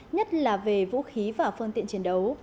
nhất là về vũ khí và phương tiện chiến đấu